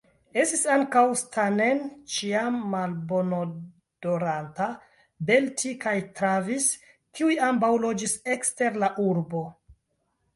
Estis ankaŭ Stanen, ĉiam malbonodoranta; Belti kaj Travis, kiuj ambaŭ loĝis ekster la urbo.